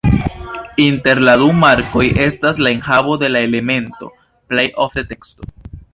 Inter la du markoj estas la enhavo de la elemento, plej ofte teksto.